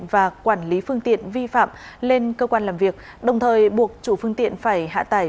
và quản lý phương tiện vi phạm lên cơ quan làm việc đồng thời buộc chủ phương tiện phải hạ tải